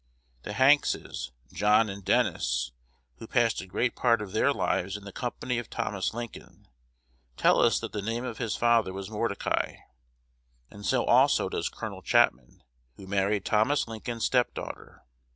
The Hankses John and Dennis who passed a great part of their lives in the company of Thomas Lincoln, tell us that the name of his father was Mordecai; and so also does Col. Chapman, who married Thomas Lincoln's step daughter.